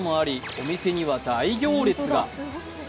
お店には大行列が。